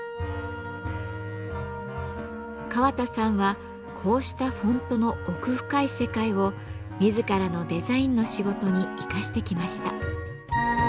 川田さんはこうしたフォントの奥深い世界を自らのデザインの仕事に生かしてきました。